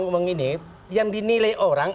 mengingat yang dinilai orang